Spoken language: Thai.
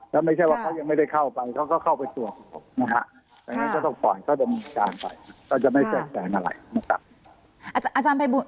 แล้วไม่ใช่ว่าเขายังไม่ได้เข้าไปเขาก็เข้าไปตรวจของผมนะฮะ